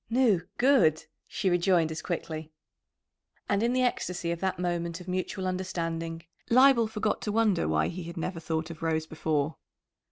"Nu, good!" she rejoined as quickly. And in the ecstasy of that moment of mutual understanding Leibel forgot to wonder why he had never thought of Rose before.